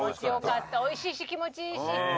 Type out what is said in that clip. おいしいし気持ちいいし。